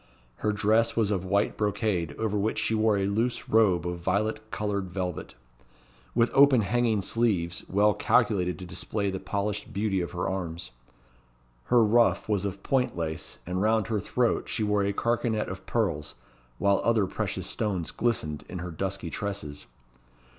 Her dress was of white brocade, over which she wore a loose robe of violet coloured velvet, with open hanging sleeves, well calculated to display the polished beauty of her arms. Her ruff was of point lace, and round her throat she wore a carcanet of pearls, while other precious stones glistened in her dusky tresses.